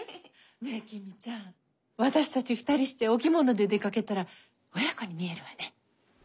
ねえ公ちゃん私たち２人してお着物で出かけたら親子に見えるわね。